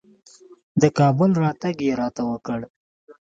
د کابل راتګ یې راته وکړ.